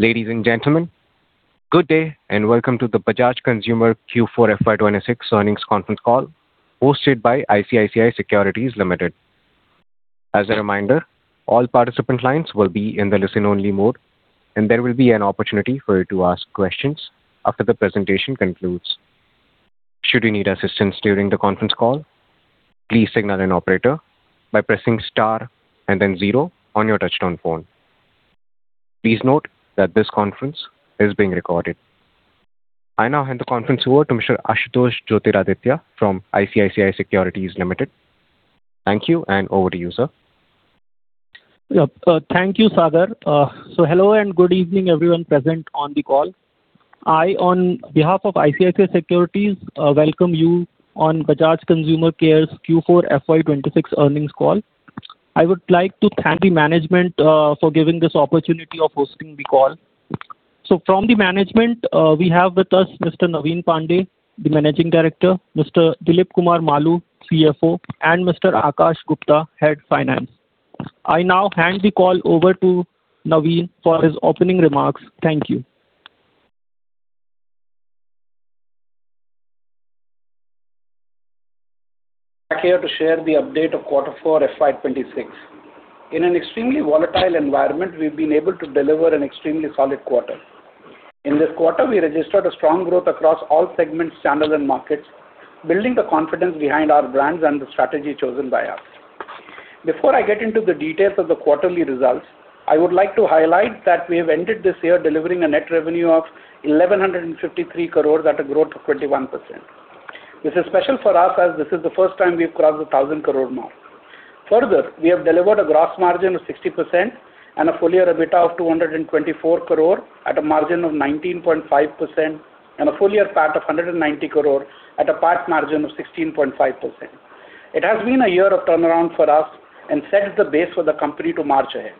Ladies and gentlemen, good day and welcome to the Bajaj Consumer Q4 FY 2026 earnings conference call hosted by ICICI Securities Limited. As a reminder, all participant lines will be in the listen-only mode and there will be an opportunity for you to ask questions after the presentation concludes. Should you need assistance during the conference call, please signal an operator by pressing star and then zero on your touchtone phone. Please note that this conference is being recorded. I now hand the conference over to Mr. Ashutosh Joytiraditya from ICICI Securities Limited. Thank you and over to you, sir. Yeah. Thank you, Sagar. Hello and good evening, everyone present on the call. I, on behalf of ICICI Securities, welcome you on Bajaj Consumer Care's Q4 FY 2026 earnings call. I would like to thank the management for giving this opportunity of hosting the call. From the management we have with us Mr. Naveen Pandey, the Managing Director, Mr. Dilip Kumar Maloo, CFO, and Mr. Aakash Gupta, Head Finance. I now hand the call over to Naveen for his opening remarks. Thank you. Back here to share the update of quarter four FY 2026. In an extremely volatile environment, we've been able to deliver an extremely solid quarter. In this quarter, we registered a strong growth across all segments, channels, and markets, building the confidence behind our brands and the strategy chosen by us. Before I get into the details of the quarterly results, I would like to highlight that we have ended this year delivering a net revenue of 1,153 crores at a growth of 21%. This is special for us as this is the first time we've crossed a 1,000 crore mark. Further, we have delivered a gross margin of 60% and a full year EBITDA of 224 crore at a margin of 19.5% and a full year PAT of 190 crore at a PAT margin of 16.5%. It has been a year of turnaround for us and sets the base for the company to march ahead.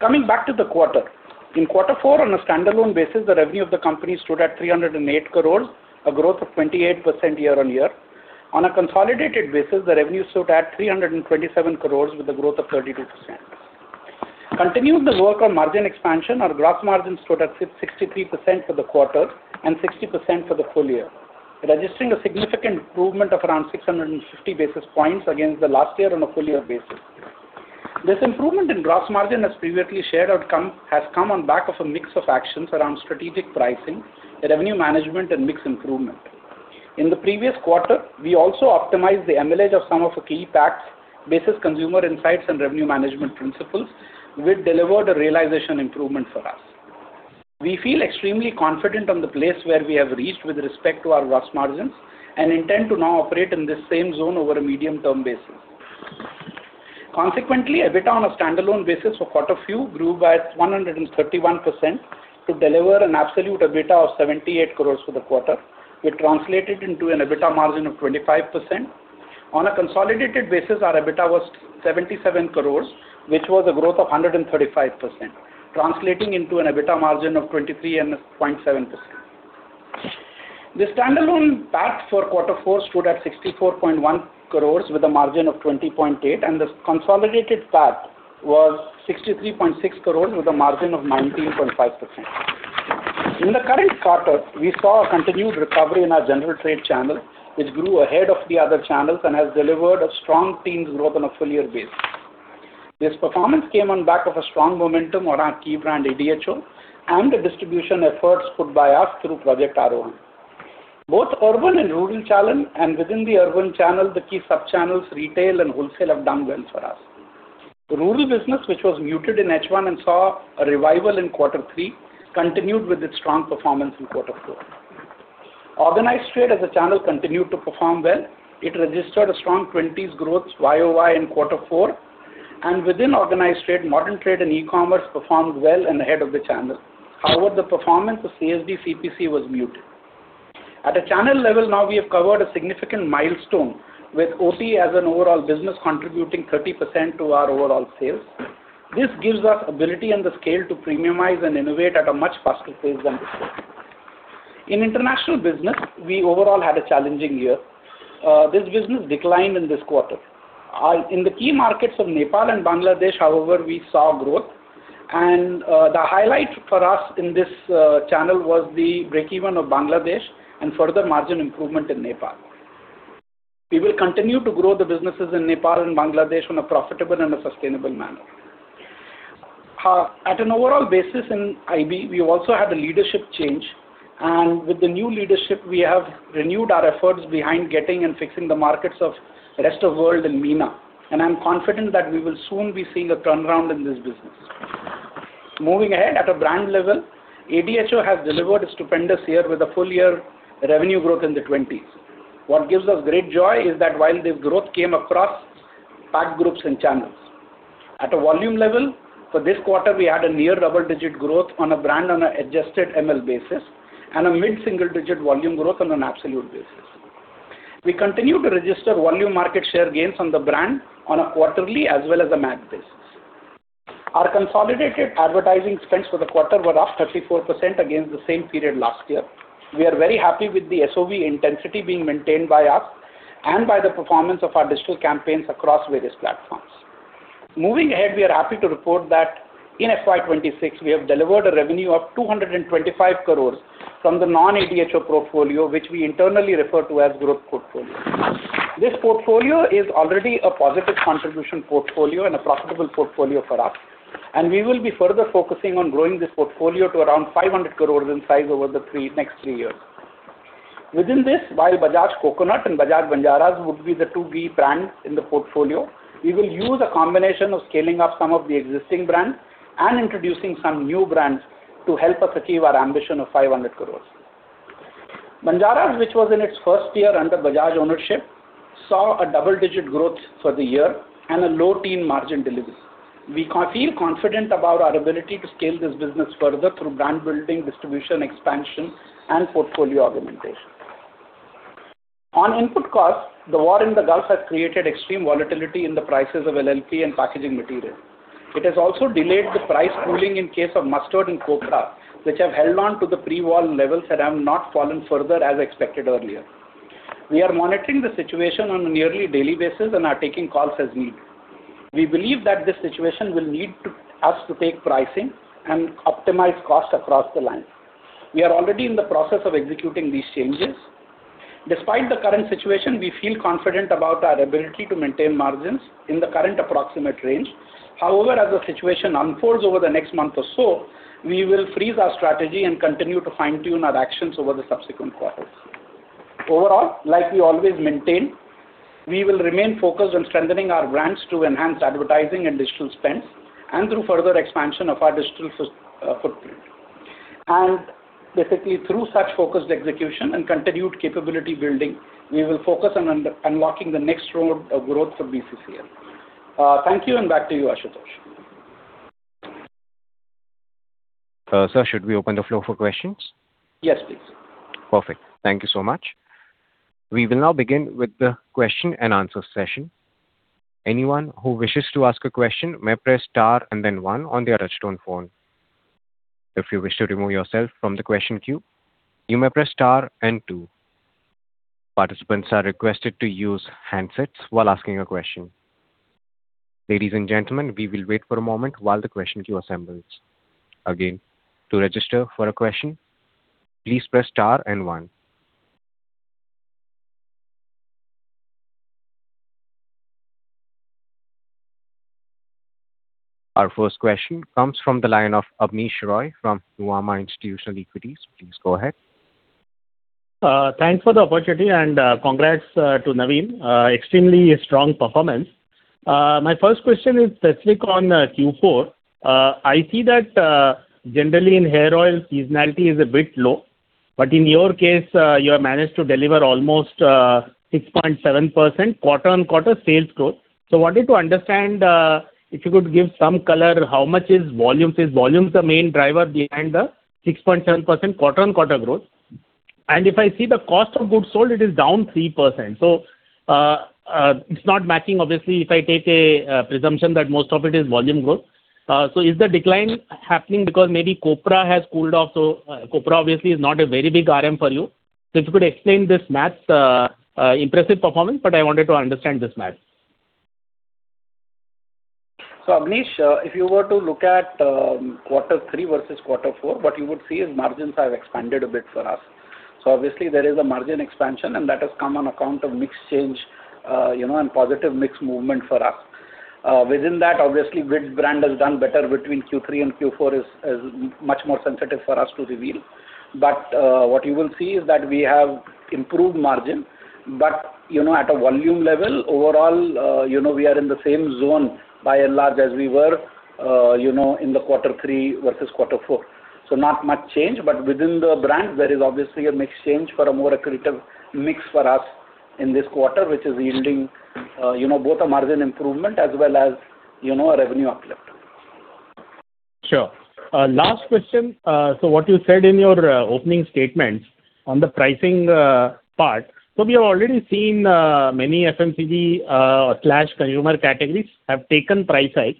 Coming back to the quarter. In quarter four on a standalone basis, the revenue of the company stood at 308 crore, a growth of 28% year-over-year. On a consolidated basis, the revenue stood at 327 crore with a growth of 32%. Continuing the work on margin expansion, our gross margin stood at 63% for the quarter and 60% for the full year, registering a significant improvement of around 650 basis points against the last year on a full year basis. This improvement in gross margin, as previously shared, has come on back of a mix of actions around strategic pricing, revenue management and mix improvement. In the previous quarter, we also optimized the ML of some of the key packs, basis consumer insights and revenue management principles, which delivered a realization improvement for us. We feel extremely confident on the place where we have reached with respect to our gross margins and intend to now operate in this same zone over a medium term basis. Consequently, EBITDA on a standalone basis for quarter few grew by 131% to deliver an absolute EBITDA of 78 crore for the quarter, which translated into an EBITDA margin of 25%. On a consolidated basis, our EBITDA was 77 crore, which was a growth of 135%, translating into an EBITDA margin of 23.7%. The standalone PAT for quarter four stood at 64.1 crore with a margin of 20.8%, and the consolidated PAT was 63.6 crore with a margin of 19.5%. In the current quarter, we saw a continued recovery in our general trade channel, which grew ahead of the other channels and has delivered a strong teens growth on a full year basis. This performance came on back of a strong momentum around key brand ADHO and the distribution efforts put by us through Project Aarohan. Both urban and rural channel, and within the urban channel, the key sub-channels, retail and wholesale, have done well for us. The rural business, which was muted in H1 and saw a revival in quarter three, continued with its strong performance in quarter four. Organized trade as a channel continued to perform well. It registered a strong 20s growth YoY in quarter four, and within organized trade, modern trade and e-commerce performed well and ahead of the channel. However, the performance of CSD/CPC was muted. At a channel level now we have covered a significant milestone with OT as an overall business contributing 30% to our overall sales. This gives us ability and the scale to premiumize and innovate at a much faster pace than before. In international business, we overall had a challenging year. This business declined in this quarter. In the key markets of Nepal and Bangladesh, however, we saw growth and the highlight for us in this channel was the breakeven of Bangladesh and further margin improvement in Nepal. We will continue to grow the businesses in Nepal and Bangladesh in a profitable and a sustainable manner. At an overall basis in IB, we also had a leadership change, and with the new leadership, we have renewed our efforts behind getting and fixing the markets of rest of world in MENA. I'm confident that we will soon be seeing a turnaround in this business. Moving ahead at a brand level, ADHO has delivered a stupendous year with a full-year revenue growth in the 20s%. What gives us great joy is that while this growth came across PAT groups and channels. At a volume level for this quarter, we had a near double-digit growth on a brand on an adjusted ML basis and a mid-single-digit volume growth on an absolute basis. We continue to register volume market share gains on the brand on a quarterly as well as a MAG basis. Our consolidated advertising spends for the quarter were up 34% against the same period last year. We are very happy with the SOV intensity being maintained by us and by the performance of our digital campaigns across various platforms. Moving ahead, we are happy to report that in FY 2026, we have delivered a revenue of 225 crores from the non-ADHO portfolio, which we internally refer to as growth portfolio. This portfolio is already a positive contribution portfolio and a profitable portfolio for us, and we will be further focusing on growing this portfolio to around 500 crore in size over the next three years. Within this, while Bajaj Coconut and Bajaj Banjara's would be the two key brands in the portfolio, we will use a combination of scaling up some of the existing brands and introducing some new brands to help us achieve our ambition of 500 crores. Banjara's, which was in its first year under Bajaj ownership, saw a double-digit growth for the year and a low teen margin delivery. We feel confident about our ability to scale this business further through brand building, distribution expansion, and portfolio augmentation. On input cost, the war in the Gulf has created extreme volatility in the prices of LLP and packaging material. It has also delayed the price cooling in case of mustard and copra, which have held on to the pre-war levels that have not fallen further as expected earlier. We are monitoring the situation on a nearly daily basis and are taking calls as needed. We believe that this situation will need us to take pricing and optimize cost across the line. We are already in the process of executing these changes. Despite the current situation, we feel confident about our ability to maintain margins in the current approximate range. However, as the situation unfolds over the next month or so, we will refine our strategy and continue to fine-tune our actions over the subsequent quarters. Overall, like we always maintain, we will remain focused on strengthening our brands through enhanced advertising and digital spends, and through further expansion of our digital footprint. Basically, through such focused execution and continued capability building, we will focus on unlocking the next road of growth for BCCL. Thank you, and back to you, Ashutosh. Sir, should we open the floor for questions? Yes, please. Perfect. Thank you so much. We will now begin with the question and answer session. Anyone who wishes to ask a question may press star and then one on their touch-tone phone. If you wish to remove yourself from the question queue, you may press star and two. Participants are requested to use handsets while asking a question. Ladies and gentlemen, we will wait for a moment while the question queue assembles. Again, to register for a question, please press star and one. Our first question comes from the line of Abneesh Roy from Nuvama Institutional Equities. Please go ahead. Thanks for the opportunity and congrats to Naveen. Extremely strong performance. My first question is specifically on Q4. I see that generally in hair oil, seasonality is a bit low, but in your case, you have managed to deliver almost 6.7% quarter-on-quarter sales growth. Wanted to understand, if you could give some color, how much is volume? Is volume the main driver behind the 6.7% quarter-on-quarter growth? And if I see the cost of goods sold, it is down 3%. It's not matching, obviously, if I take a presumption that most of it is volume growth. Is the decline happening because maybe copra has cooled off? Copra obviously is not a very big RM for you. If you could explain this math. Impressive performance, but I wanted to understand this math. Abneesh, if you were to look at quarter three versus quarter four, what you would see is margins have expanded a bit for us. Obviously there is a margin expansion, and that has come on account of mix change, and positive mix movement for us. Within that, obviously, which brand has done better between Q3 and Q4 is much more sensitive for us to reveal. What you will see is that we have improved margin, but at a volume level, overall, we are in the same zone by and large as we were in the quarter three versus quarter four. Not much change, but within the brand, there is obviously a mix change for a more accretive mix for us in this quarter, which is yielding both a margin improvement as well as revenue uplift. Sure. Last question. What you said in your opening statements on the pricing part. We have already seen many FMCG/consumer categories have taken price hike.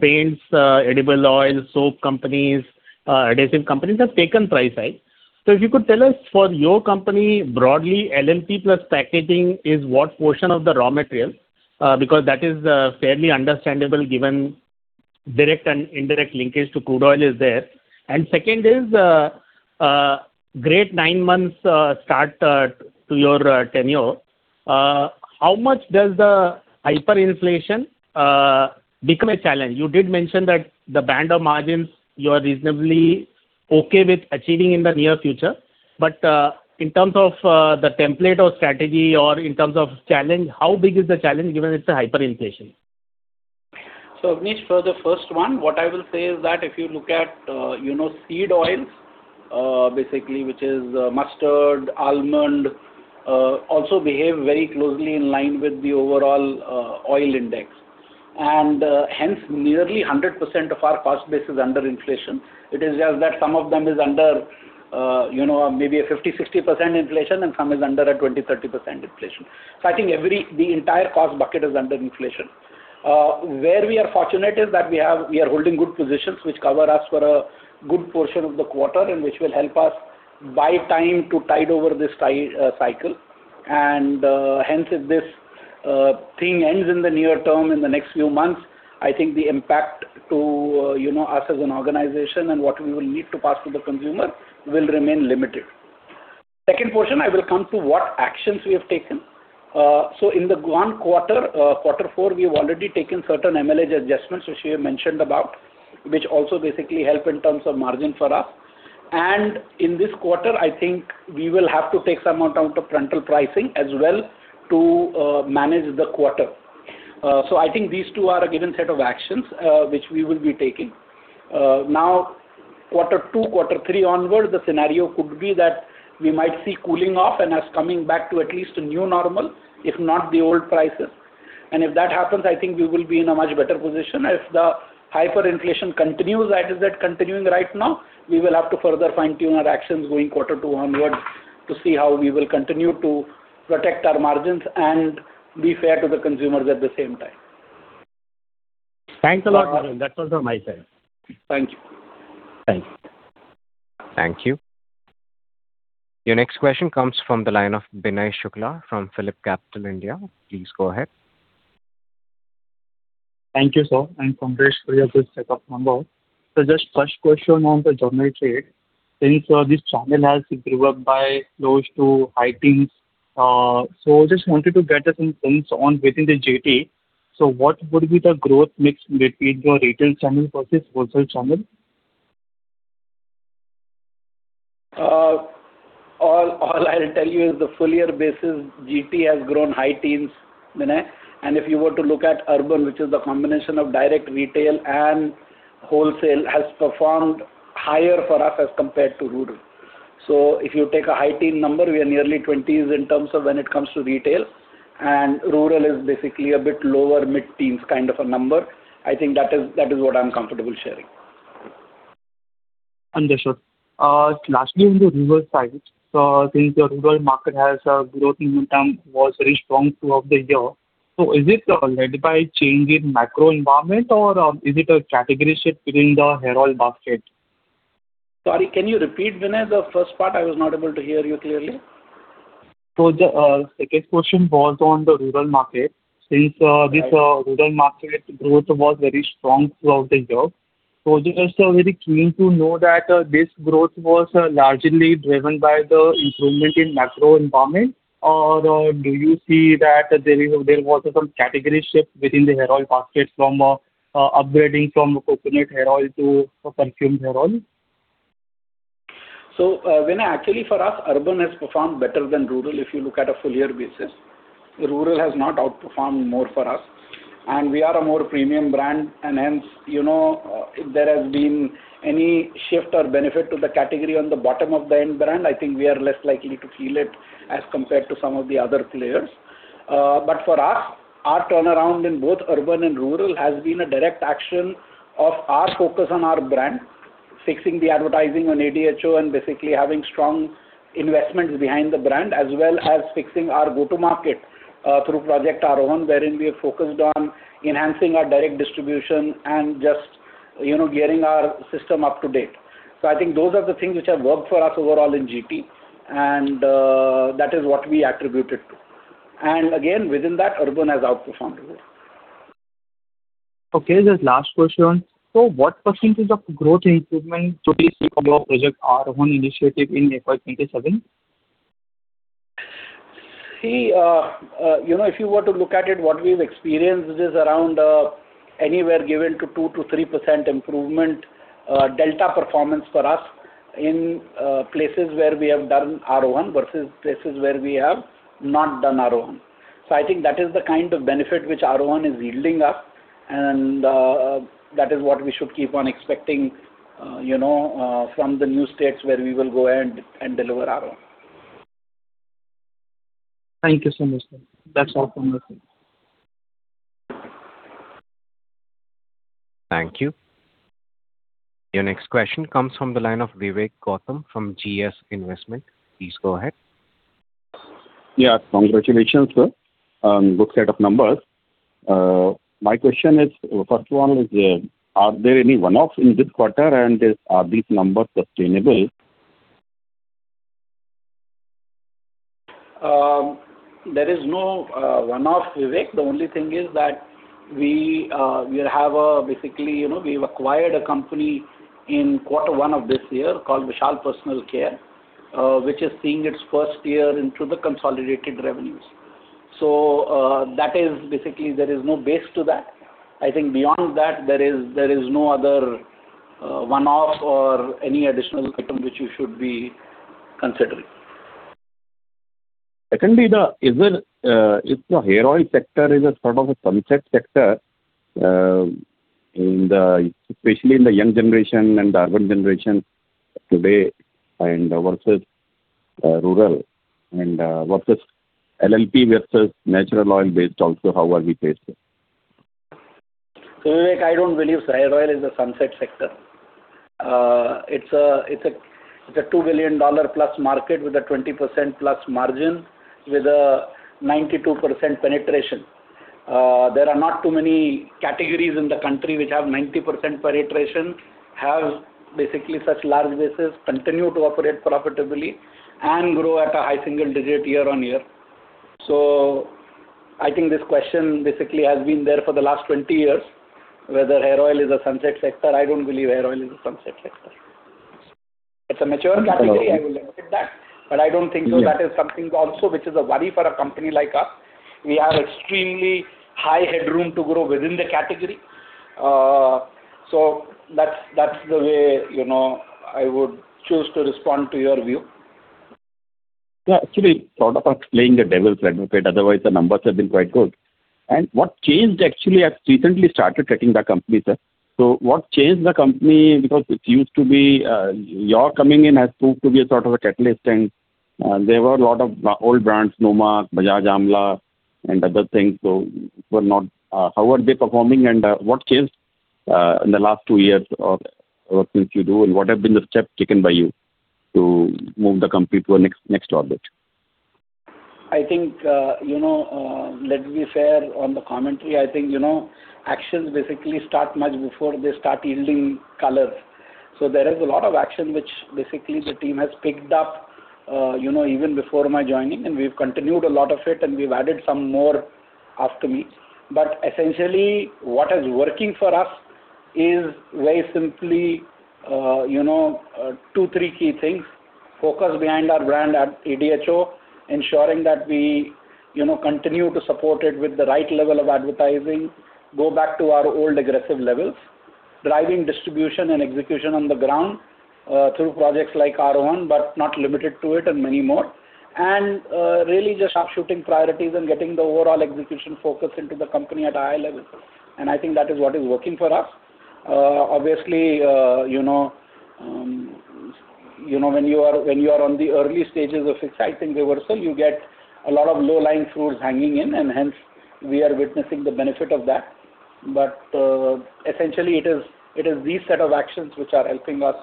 Paints, edible oils, soap companies, adhesive companies have taken price hike. If you could tell us for your company, broadly, LLP plus packaging is what portion of the raw material, because that is fairly understandable given direct and indirect linkage to crude oil is there. Second is, great nine months start to your tenure. How much does the hyperinflation become a challenge? You did mention that the band of margins you are reasonably okay with achieving in the near future. In terms of the template or strategy or in terms of challenge, how big is the challenge given it's a hyperinflation? Abneesh, for the first one, what I will say is that if you look at seed oils, basically, which is mustard, almond, also behave very closely in line with the overall oil index. Hence, nearly 100% of our cost base is under inflation. It is just that some of them is under maybe a 50%-60% inflation and some is under a 20%-30% inflation. I think the entire cost bucket is under inflation. Where we are fortunate is that we are holding good positions which cover us for a good portion of the quarter, and which will help us buy time to tide over this cycle. Hence, if this thing ends in the near term, in the next few months, I think the impact to us as an organization and what we will need to pass to the consumer will remain limited. Second portion, I will come to what actions we have taken. In the one quarter four, we have already taken certain ML adjustments, which we have mentioned about, which also basically help in terms of margin for us. In this quarter, I think we will have to take some amount out of retail pricing as well to manage the quarter. I think these two are a given set of actions which we will be taking. Now, quarter two, quarter three onwards, the scenario could be that we might see cooling off and thus coming back to at least a new normal, if not the old prices. If that happens, I think we will be in a much better position. If the hyperinflation continues as it is continuing right now, we will have to further fine-tune our actions going quarter two onwards to see how we will continue to protect our margins and be fair to the consumers at the same time. Thanks a lot. That's all from my side. Thank you. Thanks. Thank you. Your next question comes from the line of Binay Shukla from PhillipCapital India. Please go ahead. Thank you, sir, and congrats for your good set of numbers. Just first question on the general trade. Since this channel has grew up by close to high-teens, so just wanted to get some sense on within the GT. What would be the growth mix between your retail channel versus wholesale channel? All I'll tell you is the full year basis, GT has grown high-teens, Binay. If you were to look at urban, which is the combination of direct retail and wholesale, has performed higher for us as compared to rural. If you take a high teen number, we are nearly 20s in terms of when it comes to retail, and rural is basically a bit lower, mid-teens kind of a number. I think that is what I'm comfortable sharing. Understood. Lastly, on the rural side, since your rural market has a growth momentum that was very strong throughout the year, so is it led by a change in the macro environment or is it a category shift within the hair oil basket? Sorry, can you repeat, Binay, the first part? I was not able to hear you clearly. The second question was on the rural market. Since this rural market growth was very strong throughout the year, so we are still very keen to know that this growth was largely driven by the improvement in macro environment. Or do you see that there was some category shift within the hair oil basket from upgrading from coconut hair oil to perfume hair oil? Binay, actually, for us, urban has performed better than rural, if you look at a full year basis. Rural has not outperformed more for us. We are a more premium brand, and hence, if there has been any shift or benefit to the category on the bottom of the end brand, I think we are less likely to feel it as compared to some of the other players. For us, our turnaround in both urban and rural has been a direct action of our focus on our brand, fixing the advertising on ADHO, and basically having strong investments behind the brand, as well as fixing our go-to market through Project Aarohan, wherein we have focused on enhancing our direct distribution and just gearing our system up-to-date. I think those are the things which have worked for us overall in GT, and that is what we attribute it to. Again, within that, urban has outperformed rural. Okay, just last question. What percentage of growth improvement should we see from your Project Aarohan initiative in FY 2027? See, if you were to look at it, what we've experienced is around anywhere given to 2%-3% improvement, delta performance for us in places where we have done Aarohan versus places where we have not done Aarohan. I think that is the kind of benefit which Aarohan is yielding us, and that is what we should keep on expecting from the new states where we will go and deliver Aarohan. Thank you so much, sir. That's all from my side. Thank you. Your next question comes from the line of Vivek Gautam from GS Investments. Please go ahead. Yeah. Congratulations, sir, on good set of numbers. My question is, first one is, are there any one-offs in this quarter, and are these numbers sustainable? There is no one-off, Vivek Gautam. The only thing is that we have acquired a company in quarter one of this year called Vishal Personal Care, which is seeing its first year into the consolidated revenues. That is basically there is no base to that. I think beyond that, there is no other one-off or any additional item which you should be considering. Secondly, if the hair oil sector is a sort of a sunset sector, especially in the young generation and the urban generation today versus rural and versus LLP versus natural oil based also, how are we placed there? Vivek, I don't believe hair oil is a sunset sector. It's a $2 billion+ market with a 20%+ margin, with a 92% penetration. There are not too many categories in the country which have 90% penetration, have basically such large bases, continue to operate profitably and grow at a high single digit year-over-year. I think this question basically has been there for the last 20 years, whether hair oil is a sunset sector. I don't believe hair oil is a sunset sector. It's a mature category, I will admit that, but I don't think so that is something also which is a worry for a company like us. We have extremely high headroom to grow within the category. That's the way I would choose to respond to your view. Yeah. Actually, sort of playing the devil's advocate, otherwise the numbers have been quite good. What changed, actually, I've recently started tracking the company, sir. What changed the company? Because it used to be, your coming in has proved to be a sort of a catalyst and there were a lot of old brands, Nomarks, Bajaj Amla, and other things, how are they performing and what changed in the last two years of what you do and what have been the steps taken by you to move the company to a next orbit? I think, let's be fair on the commentary. I think, actions basically start much before they start yielding color. There is a lot of action which basically the team has picked up even before my joining, and we've continued a lot of it and we've added some more after me. Essentially, what is working for us is very simply two, three key things. Focus behind our brand at ADHO, ensuring that we continue to support it with the right level of advertising, go back to our old aggressive levels. Driving distribution and execution on the ground, through projects like Aarohan, but not limited to it, and many more. Really just upshifting priorities and getting the overall execution focus into the company at a high level. I think that is what is working for us. Obviously, when you are on the early stages of exciting reversal, you get a lot of low-hanging fruit, and hence we are witnessing the benefit of that. Essentially it is these set of actions which are helping us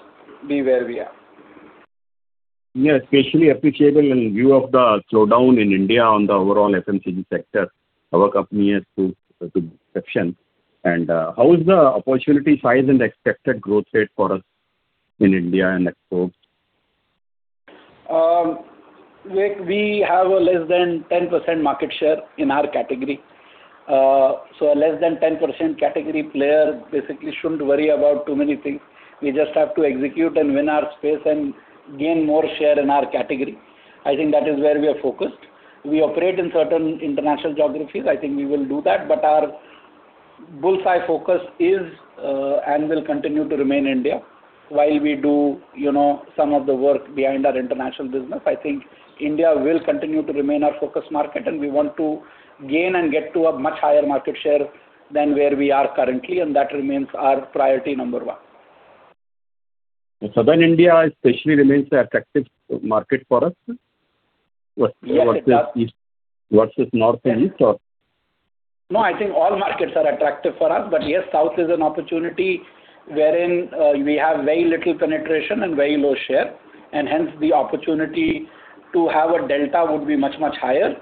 be where we are. Yeah, especially appreciable in view of the slowdown in India on the overall FMCG sector, our company has proved to be an exception. How is the opportunity size and expected growth rate for us in India and export? Vivek, we have a less than 10% market share in our category. A less than 10% category player basically shouldn't worry about too many things. We just have to execute and win our space and gain more share in our category. I think that is where we are focused. We operate in certain international geographies. I think we will do that, but our bull's eye focus is, and will continue to remain India while we do some of the work behind our international business. I think India will continue to remain our focus market and we want to gain and get to a much higher market share than where we are currently, and that remains our priority number one. Southern India especially remains the attractive market for us? Yes, it does. Versus north and east? No, I think all markets are attractive for us. Yes, south is an opportunity wherein we have very little penetration and very low share, and hence the opportunity to have a delta would be much, much higher.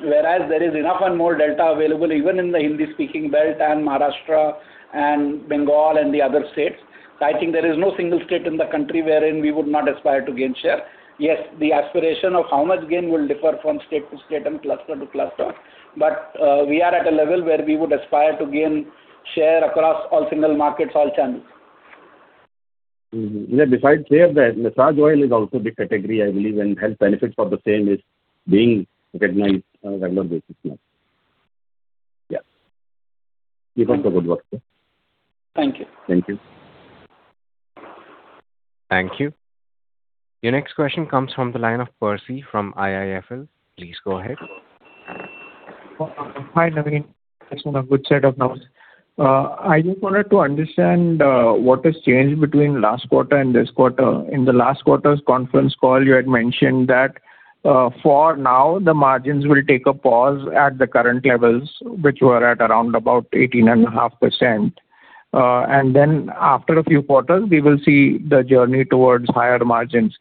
Whereas there is enough and more delta available even in the Hindi-speaking belt and Maharashtra and Bengal and the other states. I think there is no single state in the country wherein we would not aspire to gain share. Yes, the aspiration of how much gain will differ from state to state and cluster to cluster. We are at a level where we would aspire to gain share across all single markets, all channels. Besides hair, the massage oil is also big category, I believe, and health benefits for the same is being recognized on a regular basis now. Yeah. Keep up the good work, sir. Thank you. Thank you. Thank you. Your next question comes from the line of Percy from IIFL. Please go ahead. Hi, Naveen. That's a good set of numbers. I just wanted to understand what has changed between last quarter and this quarter. In the last quarter's conference call, you had mentioned that, for now, the margins will take a pause at the current levels, which were at around about 18.5%. And then after a few quarters, we will see the journey towards higher margins.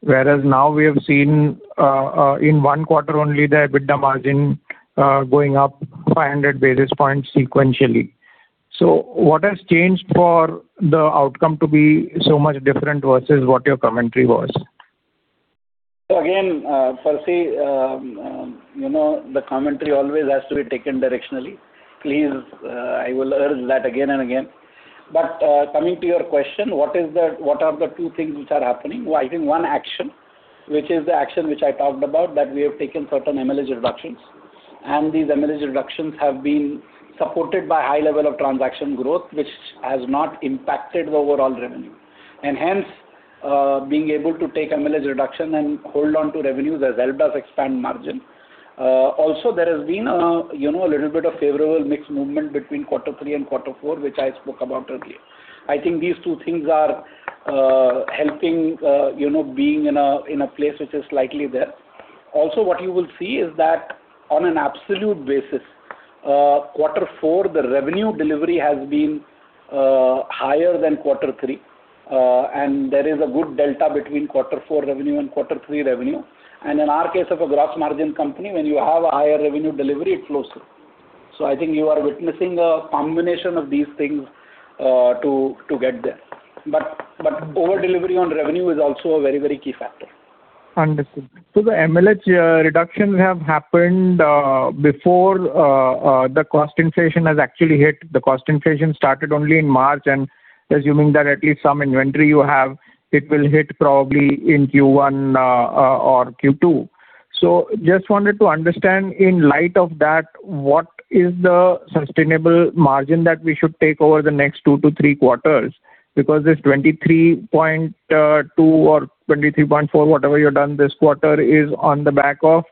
Whereas now we have seen, in one quarter only, the EBITDA margin going up 500 basis points sequentially. What has changed for the outcome to be so much different versus what your commentary was? Again, Percy, the commentary always has to be taken directionally. Please, I will urge that again and again. Coming to your question, what are the two things which are happening? I think one action, which is the action which I talked about, that we have taken certain ML reductions, and these ML reductions have been supported by high level of transaction growth, which has not impacted the overall revenue. Hence, being able to take ML reduction and hold on to revenues as well does expand margin. Also there has been a little bit of favorable mix movement between quarter three and quarter four, which I spoke about earlier. I think these two things are helping being in a place which is slightly there. Also what you will see is that on an absolute basis, quarter four, the revenue delivery has been higher than quarter three, and there is a good delta between quarter four revenue and quarter three revenue. In our case of a gross margin company, when you have a higher revenue delivery, it flows through. I think you are witnessing a combination of these things to get there. Over-delivery on revenue is also a very key factor. Understood. The ML reductions have happened before the cost inflation has actually hit. The cost inflation started only in March, and assuming that at least some inventory you have, it will hit probably in Q1 or Q2. Just wanted to understand in light of that, what is the sustainable margin that we should take over the next two to three quarters? Because this 23.2% or 23.4%, whatever you've done this quarter, is on the back of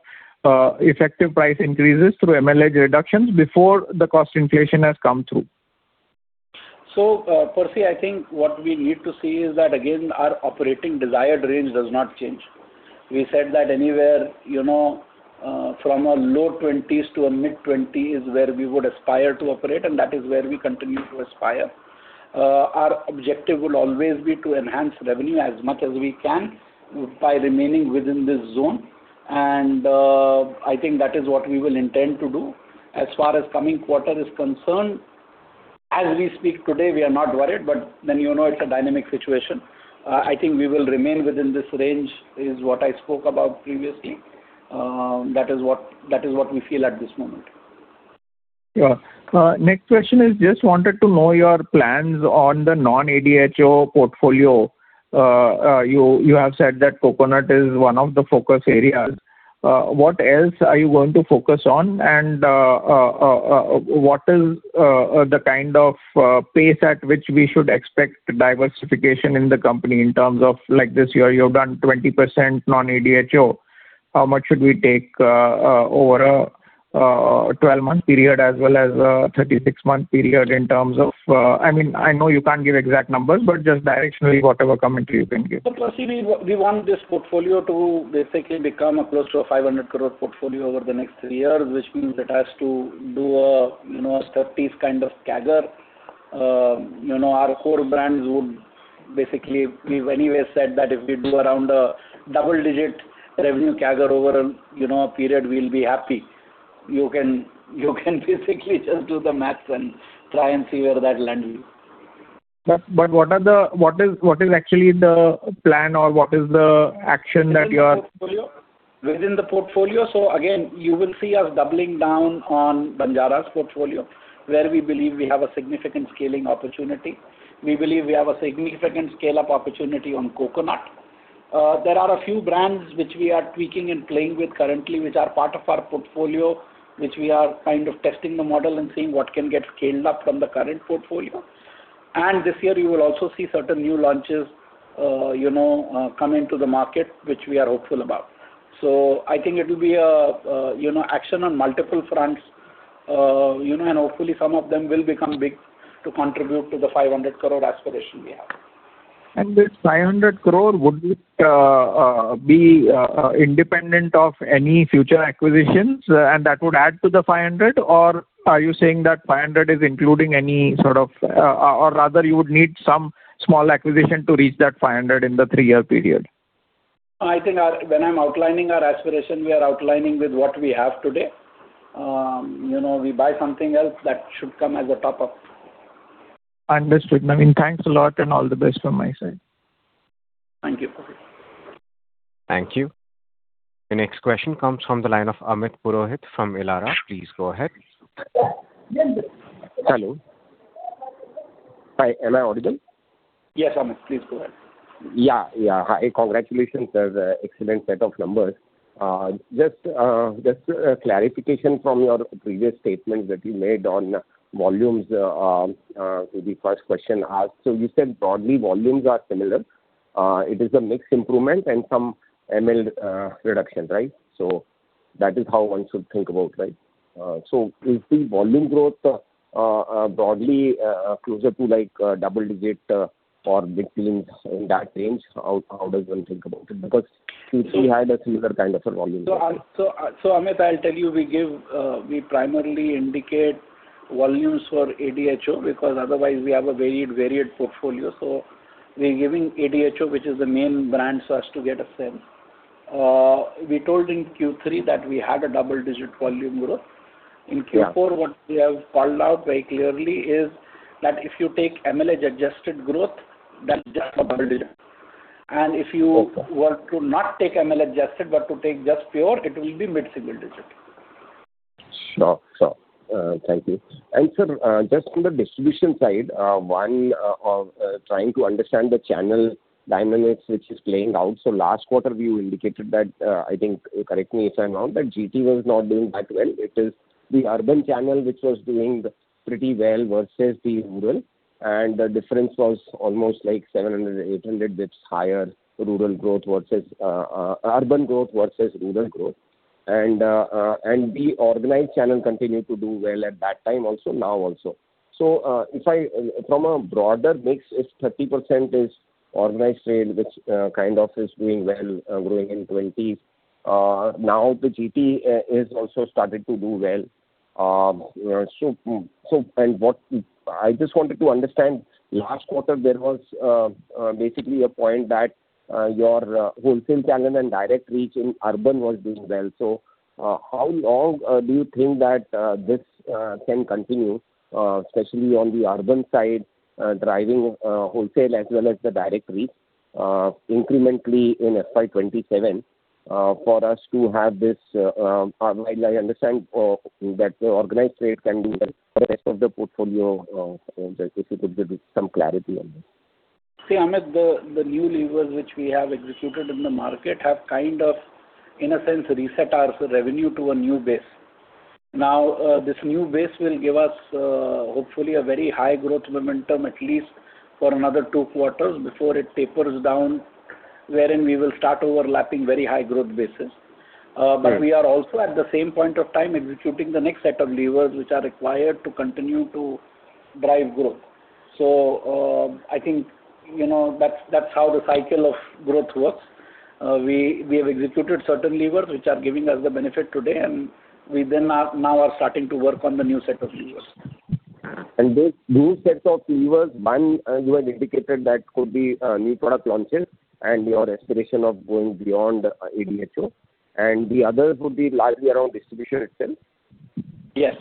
effective price increases through ML reductions before the cost inflation has come through. Percy, I think what we need to see is that, again, our operating desired range does not change. We said that anywhere from low 20s to mid-20s is where we would aspire to operate, and that is where we continue to aspire. Our objective will always be to enhance revenue as much as we can by remaining within this zone, and I think that is what we will intend to do. As far as coming quarter is concerned, as we speak today, we are not worried, but then, you know, it's a dynamic situation. I think we will remain within this range, is what I spoke about previously. That is what we feel at this moment. Yeah. Next question is, just wanted to know your plans on the non-ADHO portfolio. You have said that Coconut is one of the focus areas. What else are you going to focus on, and what is the kind of pace at which we should expect diversification in the company in terms of this year you've done 20% non-ADHO. How much should we take over a 12-month period as well as a 36-month period in terms of... I know you can't give exact numbers, but just directionally, whatever commentary you can give. Percy, we want this portfolio to basically become close to a 500 crore portfolio over the next 3 years, which means it has to do a 30% kind of CAGR. Our core brands would basically, we've anyway said that if we do around a double-digit revenue CAGR over a period, we'll be happy. You can basically just do the math and try and see where that lands you. What is actually the plan, or what is the action that you are? Within the portfolio, so again, you will see us doubling down on Banjara's portfolio, where we believe we have a significant scaling opportunity. We believe we have a significant scale-up opportunity on Coconut. There are a few brands which we are tweaking and playing with currently, which are part of our portfolio, which we are kind of testing the model and seeing what can get scaled up from the current portfolio. This year, you will also see certain new launches coming to the market, which we are hopeful about. I think it will be action on multiple fronts, and hopefully, some of them will become big to contribute to the 500 crore aspiration we have. This 500 crore, would it be independent of any future acquisitions, and that would add to the 500 crore? Or are you saying that 500 crore is including any sort of, or rather you would need some small acquisition to reach that 500 crore in the three-year period? I think when I'm outlining our aspiration, we are outlining with what we have today. We buy something else, that should come as a top-up. Understood. Naveen Pandey, thanks a lot, and all the best from my side. Thank you. Thank you. The next question comes from the line of Amit Purohit from Elara. Please go ahead. Hello. Hi, am I audible? Yes, Amit, please go ahead. Yeah yeah. Hi. Congratulations. Excellent set of numbers. Just a clarification from your previous statement that you made on volumes. Will be first question asked. You said broadly, volumes are similar. It is a mix improvement and some ML reduction, right? That is how one should think about, right? Is the volume growth broadly closer to double digit or mid-teen in that range? How does one think about it? Because Q3 had a similar kind of a volume growth. Amit, I'll tell you, we primarily indicate volumes for ADHO because otherwise we have a varied portfolio. We're giving ADHO, which is the main brand, so as to get a sense. We told in Q3 that we had a double-digit volume growth. In Q4, what we have called out very clearly is that if you take MLH adjusted growth, that's just double digit. If you were to not take ML adjusted, but to take just pure, it will be mid-single digit. Sure. Thank you. Sir, just on the distribution side, one, trying to understand the channel dynamics which is playing out. Last quarter, we indicated that, I think, correct me if I'm wrong, but GT was not doing that well. It is the urban channel which was doing pretty well versus the rural, and the difference was almost 700 or 800 bps higher urban growth versus rural growth. The organized channel continued to do well at that time also, now also. From a broader mix, if 30% is organized trade, which kind of is doing well, growing in twenties. Now the GT is also started to do well. I just wanted to understand, last quarter, there was basically a point that your wholesale channel and direct reach in urban was doing well. How long do you think that this can continue, especially on the urban side, driving wholesale as well as the direct reach incrementally in FY 2027 for us to have this. Although I understand that the organized rate can be like the rest of the portfolio, if you could give some clarity on this? See, Amit, the new levers which we have executed in the market have kind of, in a sense, reset our revenue to a new base. Now, this new base will give us, hopefully, a very high growth momentum, at least for another two quarters before it tapers down, wherein we will start overlapping very high growth bases. Right. We are also, at the same point of time, executing the next set of levers which are required to continue to drive growth. I think that's how the cycle of growth works. We have executed certain levers which are giving us the benefit today, and we then now are starting to work on the new set of levers. These sets of levers, one, you had indicated that could be new product launches and your aspiration of going beyond ADHO, and the other would be largely around distribution itself? Yes.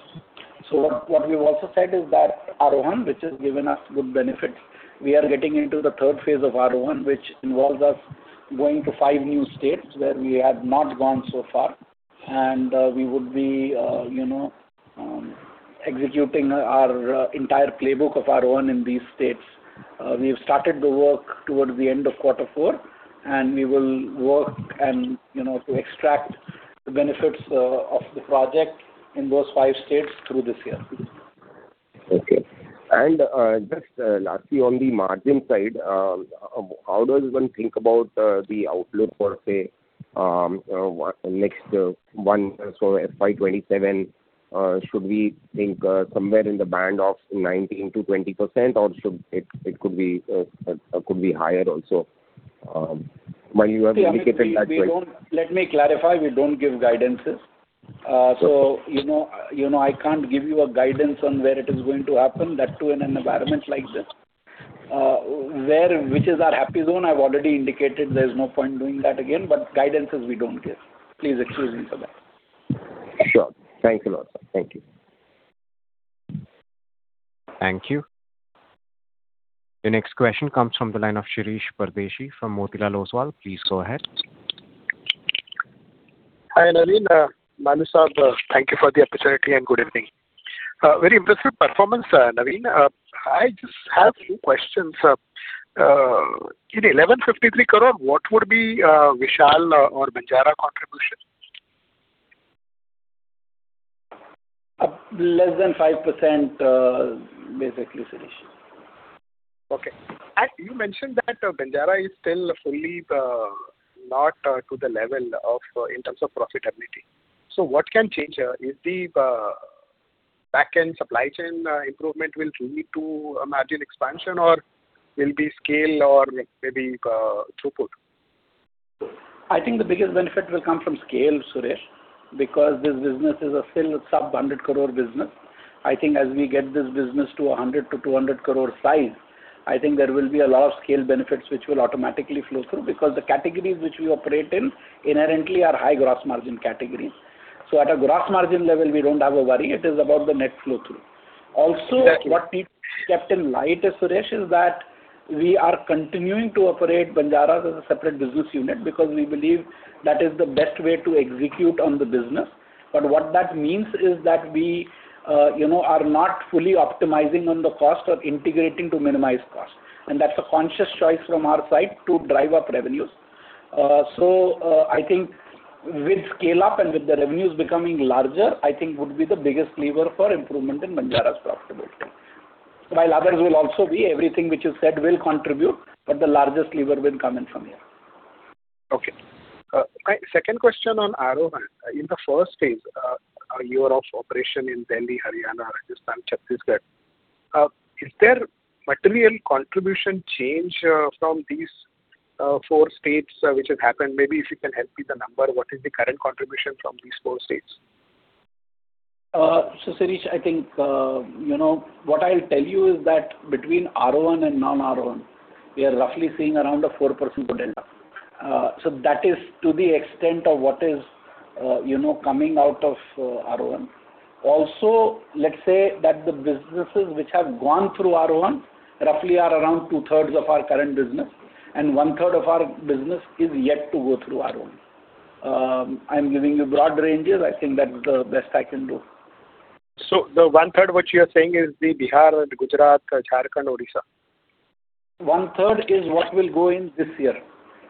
What we've also said is that Aarohan, which has given us good benefits, we are getting into the third phase of Aarohan, which involves us going to five new states where we have not gone so far. We would be executing our entire playbook of Aarohan in these states. We have started the work towards the end of quarter four, and we will work to extract the benefits of the project in those five states through this year. Okay. Just lastly, on the margin side, how does one think about the outlook for, say, next one, so FY 2027, should we think somewhere in the band of 19%-20%? Or it could be higher also. You have indicated that. Let me clarify. We don't give guidances. I can't give you a guidance on where it is going to happen, that too in an environment like this, which is our happy zone. I've already indicated, there's no point doing that again. Guidances we don't give. Please excuse me for that. Sure. Thanks a lot, sir. Thank you. Thank you. Your next question comes from the line of Shirish Pardeshi from Motilal Oswal. Please go ahead. Hi, Naveen. Naveen, thank you for the opportunity, and good evening. A very impressive performance, Naveen. I just have a few questions. In 1,153 crore, what would be Vishal or Banjara's contribution? Less than 5%, basically, Shirish. Okay. You mentioned that Banjara is still fully not to the level in terms of profitability. What can change? Is the backend supply chain improvement will lead to a margin expansion or will be scale or maybe throughput? I think the biggest benefit will come from scale, Shirish Pardeshi, because this business is still a sub-INR 100 crore business. I think as we get this business to 100 crore-200 crore size, I think there will be a lot of scale benefits which will automatically flow through, because the categories which we operate in inherently are high gross margin categories. At a gross margin level, we don't have a worry. It is about the net flow through. Also, what needs to be kept in mind, Shirish Pardeshi, is that we are continuing to operate Banjara's as a separate business unit because we believe that is the best way to execute on the business. What that means is that we are not fully optimizing on the cost of integrating to minimize cost. That's a conscious choice from our side to drive up revenues. I think with scale-up and with the revenues becoming larger, I think would be the biggest lever for improvement in Banjara's profitability. While others will also be, everything which you said will contribute, but the largest lever will come in from here. Okay. My second question on Aarohan. In the first phase, your areas of operation in Delhi, Haryana, Rajasthan, Chhattisgarh. Is there material change in contribution from these four states which has happened? Maybe if you can help me with the number, what is the current contribution from these four states? Shirish, I think what I'll tell you is that between Aarohan and non-Aarohan, we are roughly seeing around a 4% delta. That is to the extent of what is coming out of Aarohan. Also, let's say that the businesses which have gone through Aarohan roughly are around two-thirds of our current business, and one-third of our business is yet to go through Aarohan. I'm giving you broad ranges. I think that's the best I can do. The one-third which you are saying is the Bihar and Gujarat, Jharkhand, Odisha. One-third is what will go in this year,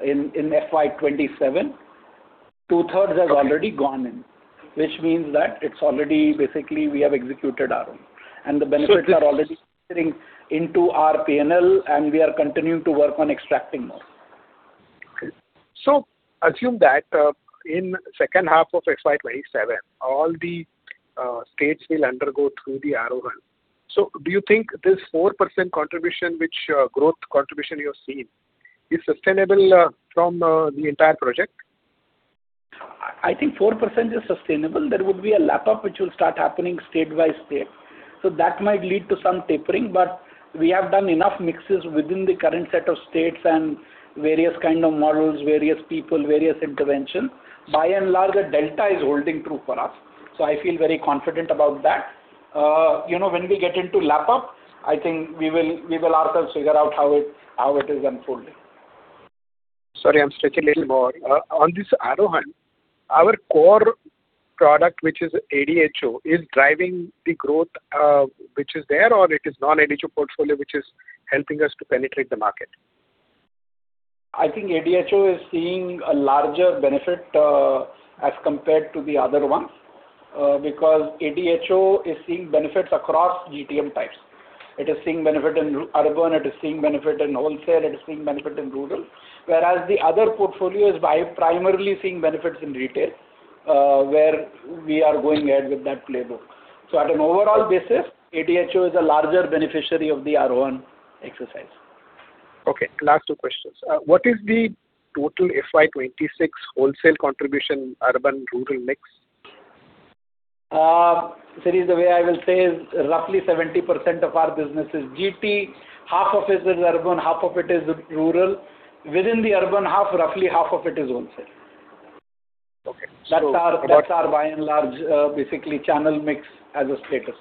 in FY 2027. Two-thirds has already gone in. Which means that it's already, basically, we have executed our own. The benefits are already fitting into our P&L, and we are continuing to work on extracting more. Assume that in second half of FY 2027, all the states will undergo through the Aarohan. Do you think this 4% contribution, which growth contribution you're seeing, is sustainable from the entire project? I think 4% is sustainable. There would be a lap-up which will start happening state by state. That might lead to some tapering, but we have done enough mixes within the current set of states and various kind of models, various people, various intervention. By and large, the delta is holding true for us. I feel very confident about that. When we get into lap-up, I think we will also figure out how it is unfolding. Sorry, I'm stretching a little more. On this Aarohan, our core product, which is ADHO, is driving the growth, which is there, or it is non-ADHO portfolio which is helping us to penetrate the market? I think ADHO is seeing a larger benefit, as compared to the other ones. Because ADHO is seeing benefits across GTM types. It is seeing benefit in urban, it is seeing benefit in wholesale, it is seeing benefit in rural. Whereas the other portfolio is primarily seeing benefits in retail, where we are going ahead with that playbook. On an overall basis, ADHO is a larger beneficiary of the ROI exercise. Okay, last two questions. What is the total FY 2026 wholesale contribution, urban rural mix? Shirish, the way I will say is roughly 70% of our business is GT. Half of it is urban, half of it is rural. Within the urban half, roughly half of it is wholesale. That's our by and large basically channel mix as of status.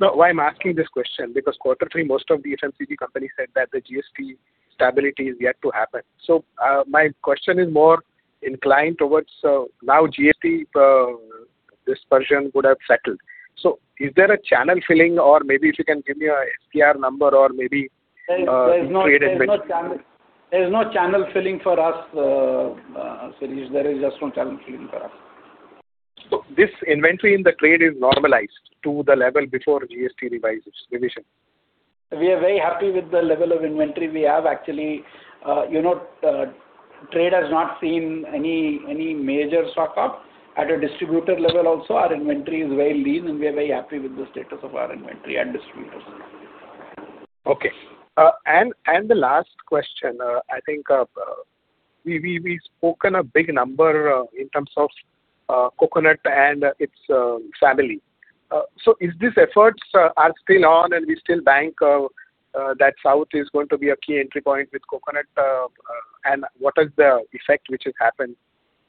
No, why I'm asking this question, because quarter three, most of the FMCG companies said that the GST stability is yet to happen. My question is more inclined towards, now GST dispensation would have settled. Is there a channel filling or maybe if you can give me a DSR number or maybe trade investment. There's no channel filling for us, Shirish. There is just no channel filling for us. This inventory in the trade is normalized to the level before GST revision. We are very happy with the level of inventory we have actually. Trade has not seen any major stock-up. At a distributor level also, our inventory is very lean, and we are very happy with the status of our inventory and distributors. Okay. The last question, I think, we've spoken a big number in terms of Coconut and its family. Is these efforts are still on, and we still bank that South is going to be a key entry point with Coconut? What is the effect which has happened?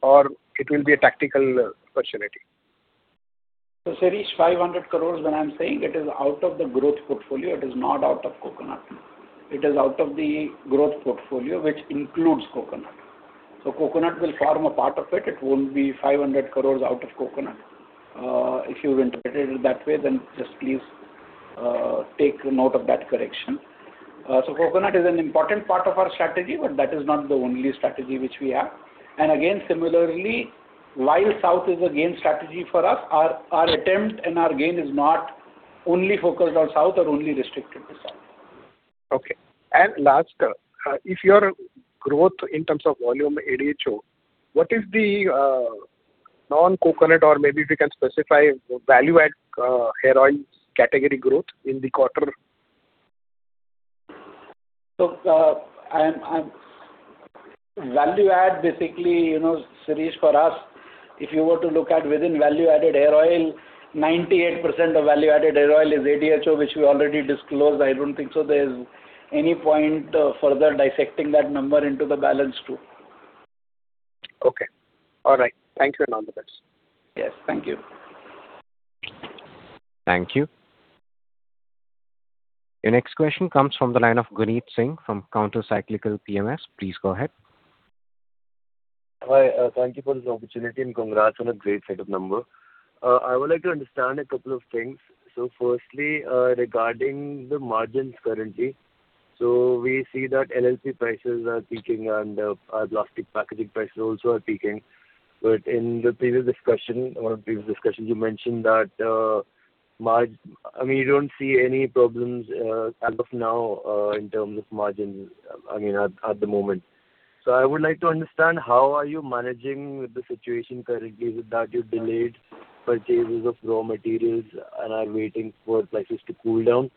Or it will be a tactical opportunity? Shirish, 500 crore when I'm saying, it is out of the growth portfolio, it is not out of Coconut. It is out of the growth portfolio, which includes Coconut. Coconut will form a part of it. It won't be 500 crore out of Coconut. If you've interpreted it that way, then just please take note of that correction. Coconut is an important part of our strategy, but that is not the only strategy which we have. Again, similarly, while South is a game strategy for us, our attempt and our gain is not only focused on South or only restricted to South. Okay. Last, if your growth in terms of volume ADHO, what is the non-coconut or maybe if you can specify value add hair oils category growth in the quarter? Value add basically, Shirish, for us, if you were to look at within value added hair oil, 98% of value added hair oil is ADHO, which we already disclosed. I don't think so there's any point further dissecting that number into the balance two. Okay. All right. Thank you, and all the best. Yes. Thank you. Thank you. Your next question comes from the line of Gunit Singh from Counter Cyclical PMS. Please go ahead. Hi. Thank you for this opportunity, and congrats on a great set of numbers. I would like to understand a couple of things, firstly, regarding the margins currently. We see that LLP prices are peaking and our plastic packaging prices also are peaking. In the previous discussion or previous discussions, you mentioned that you don't see any problems as of now in terms of margins at the moment. I would like to understand how are you managing the situation currently? Is it that you've delayed purchases of raw materials and are waiting for prices to cool down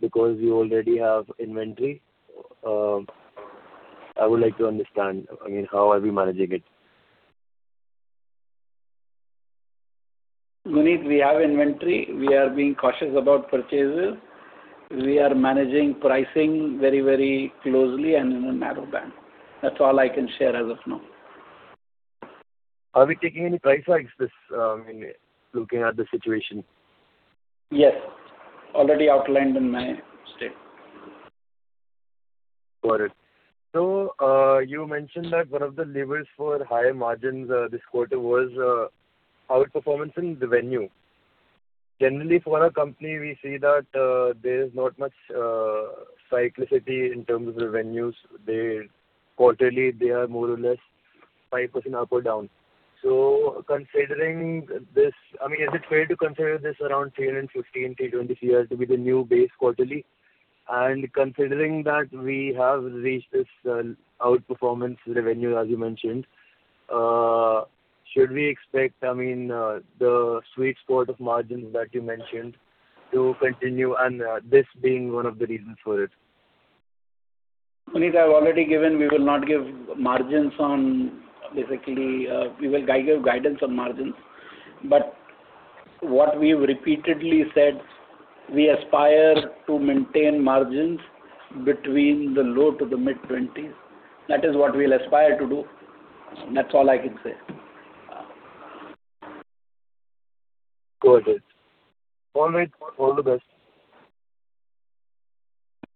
because you already have inventory? I would like to understand how are we managing it. Gunit, we have inventory. We are being cautious about purchases. We are managing pricing very, very closely and in a narrow band. That's all I can share as of now. Are we taking any price hikes this, looking at the situation? Yes. Already outlined in my statement. Got it. You mentioned that one of the levers for high margins this quarter was our performance in the Delhi New. Generally, for our company, we see that there is not much cyclicity in terms of revenues. Quarterly, they are more or less 5% up or down. Is it fair to consider this around 315- 320 CR to be the new base quarterly? And considering that we have reached this outperformance revenue, as you mentioned, should we expect the sweet spot of margins that you mentioned to continue, and this being one of the reasons for it? Gunit, I've already given. We will not give margins on. Basically, we will give guidance on margins. What we've repeatedly said, we aspire to maintain margins between the low- to mid-20s. That is what we'll aspire to do. That's all I can say. Got it. All right. All the best.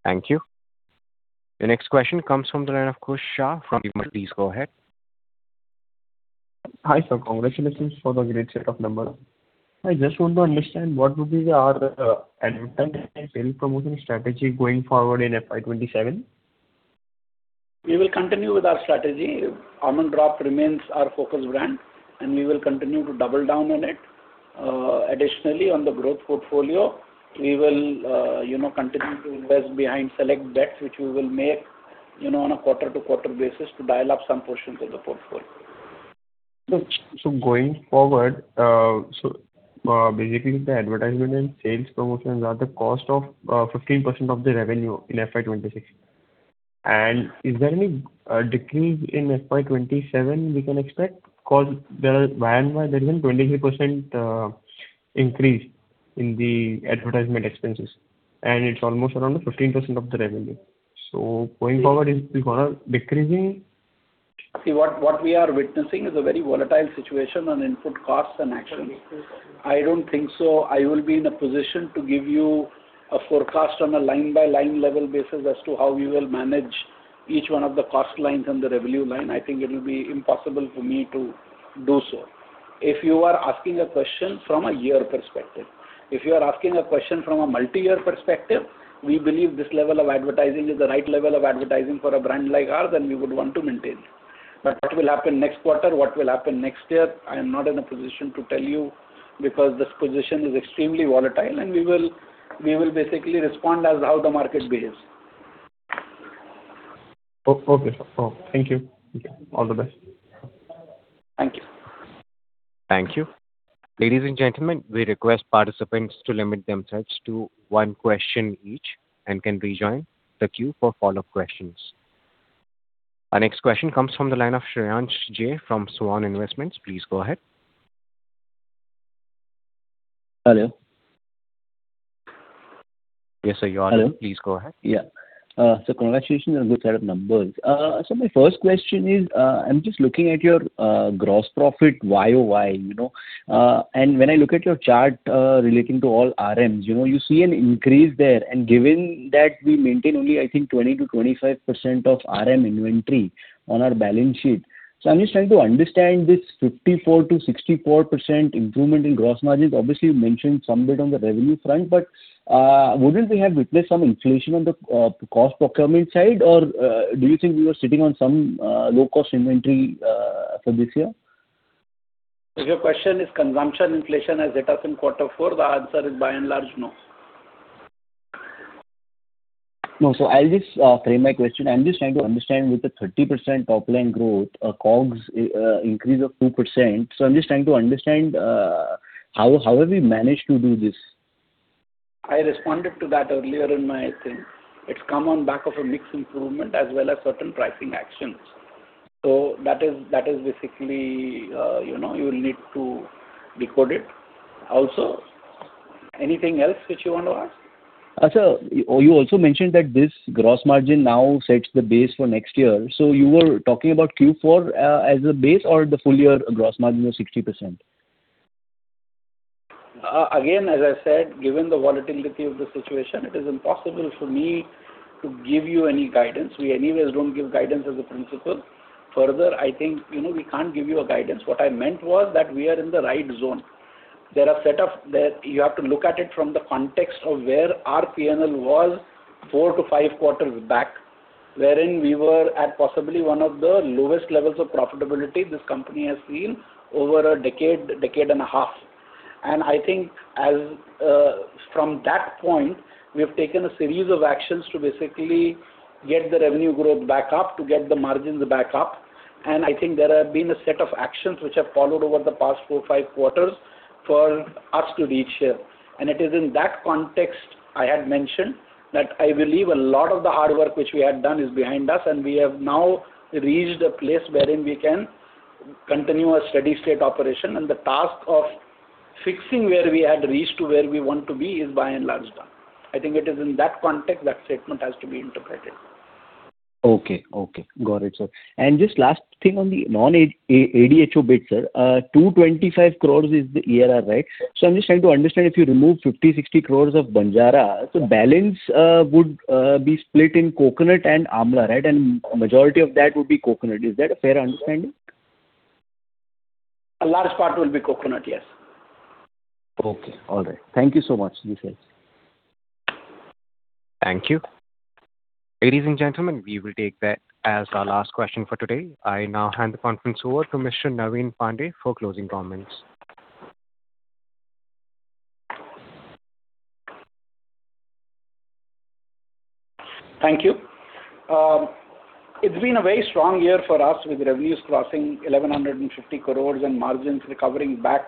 Thank you. The next question comes from the line of Kusha. Please go ahead. Hi, sir. Congratulations for the great set of numbers. I just want to understand what would be our advertisement and sales promotion strategy going forward in FY 2027? We will continue with our strategy. Almond Drops remains our focus brand, and we will continue to double down on it. Additionally, on the growth portfolio, we will continue to invest behind select bets, which we will make on a quarter-to-quarter basis to dial up some portions of the portfolio. Going forward, basically the advertisement and sales promotions are the cost of 15% of the revenue in FY 2026. Is there any decrease in FY 2027 we can expect? Because there are 23% increase in the advertisement expenses, and it's almost around 15% of the revenue. Going forward, is it going to decreasing? See, what we are witnessing is a very volatile situation on input costs and actions. I don't think so I will be in a position to give you a forecast on a line-by-line level basis as to how we will manage each one of the cost lines and the revenue line. I think it will be impossible for me to do so, if you are asking a question from a year perspective. If you are asking a question from a multi-year perspective, we believe this level of advertising is the right level of advertising for a brand like ours, and we would want to maintain it. What will happen next quarter, what will happen next year, I am not in a position to tell you because this position is extremely volatile, and we will basically respond as how the market behaves. Okay, sir. Thank you. All the best. Thank you. Thank you. Ladies and gentlemen, we request participants to limit themselves to one question each and can rejoin the queue for follow-up questions. Our next question comes from the line of Shreyansh Jain from Swan Investments. Please go ahead. Hello? Yes, sir, you're on. Please go ahead. Yeah. Congratulations on this set of numbers. My first question is, I'm just looking at your gross profit YoY. When I look at your chart relating to all RMs, you see an increase there. Given that we maintain only, I think, 20%-25% of RM inventory on our balance sheet. I'm just trying to understand this 54%-64% improvement in gross margins. Obviously, you mentioned some bit on the revenue front, but wouldn't we have witnessed some inflation on the cost procurement side, or do you think we were sitting on some low-cost inventory for this year? If your question is consumption inflation as it has been quarter four, the answer is by and large, no. No. I'll just reframe my question. I'm just trying to understand with the 30% top-line growth, a COGS increase of 2%. I'm just trying to understand how have we managed to do this? I responded to that earlier in my thing. It's come on back of a mix improvement as well as certain pricing actions. That is basically, you will need to decode it also. Anything else which you want to ask? Sir, you also mentioned that this gross margin now sets the base for next year. You were talking about Q4 as a base or the full year gross margin of 60%? Again, as I said, given the volatility of the situation, it is impossible for me to give you any guidance. We anyways don't give guidance as a principle. Further, I think, we can't give you a guidance. What I meant was that we are in the right zone. You have to look at it from the context of where our P&L was four to five quarters back, wherein we were at possibly one of the lowest levels of profitability this company has seen over a decade and a half. I think from that point, we have taken a series of actions to basically get the revenue growth back up, to get the margins back up. I think there have been a set of actions which have followed over the past four, five quarters for us to reach here. It is in that context, I had mentioned that I believe a lot of the hard work which we had done is behind us, and we have now reached a place wherein we can continue a steady state operation. The task of fixing where we had reached to where we want to be is by and large done. I think it is in that context that statement has to be interpreted. Okay okay. Got it, sir. Just last thing on the non-ADHO bit, sir. 225 crore is the ARR, right? I'm just trying to understand if you remove 50 crore-60 crore of Banjara's, so balance would be split in Coconut and Amla, right? Majority of that would be Coconut. Is that a fair understanding? A large part will be Coconut, yes. Okay. All right. Thank you so much. Be safe. Thank you. Ladies and gentlemen, we will take that as our last question for today. I now hand the conference over to Mr. Naveen Pandey for closing comments. Thank you. It's been a very strong year for us, with revenues crossing 1,150 crore and margins recovering back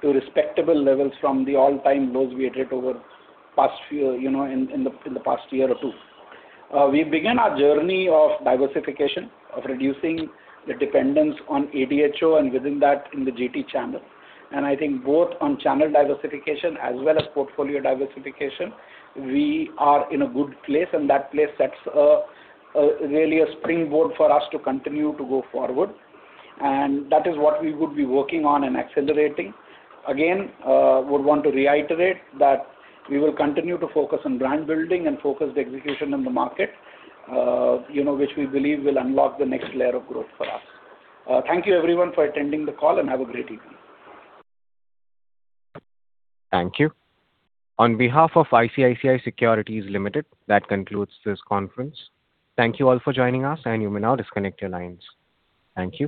to respectable levels from the all-time lows we hit over in the past year or two. We began our journey of diversification, of reducing the dependence on ADHO, and within that, in the GT channel. I think both on channel diversification as well as portfolio diversification, we are in a good place, and that place sets really a springboard for us to continue to go forward. That is what we would be working on and accelerating. Again, would want to reiterate that we will continue to focus on brand building and focused execution in the market, which we believe will unlock the next layer of growth for us. Thank you everyone for attending the call, and have a great evening. Thank you. On behalf of ICICI Securities Limited, that concludes this conference. Thank you all for joining us, and you may now disconnect your lines. Thank you.